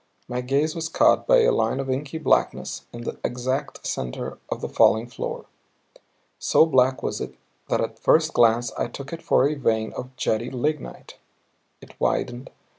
My gaze was caught by a line of inky blackness in the exact center of the falling floor. So black was it that at first glance I took it for a vein of jetty lignite. It widened.